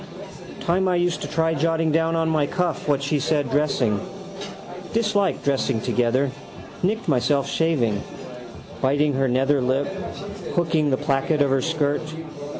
Time I used to try jotting down on my cuff what she said dressing. Dislike dressing together. Nicked myself shaving. Biting her nether lip, hooking the placket of her skirt.